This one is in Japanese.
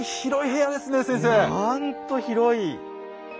なんと広い！